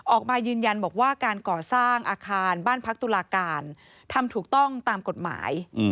ออกมายืนยันบอกว่าการก่อสร้างอาคารบ้านพักตุลาการทำถูกต้องตามกฎหมาย